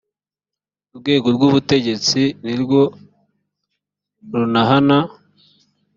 urwego rw’ ubutegetsi nirwo runahana.